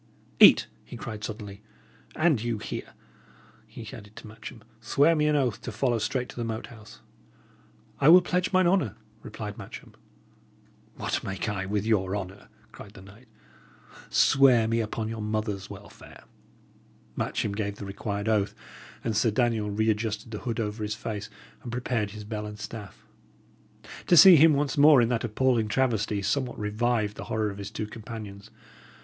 "Eat!" he cried, suddenly. "And you here," he added to Matcham, "swear me an oath to follow straight to the Moat House." "I will pledge mine honour," replied Matcham. "What make I with your honour?" cried the knight. "Swear me upon your mother's welfare!" Matcham gave the required oath; and Sir Daniel re adjusted the hood over his face, and prepared his bell and staff. To see him once more in that appalling travesty somewhat revived the horror of his two companions.